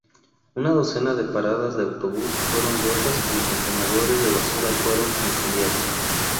Una docena de paradas de autobús fueron rotas y contenedores de basura fueron incendiados.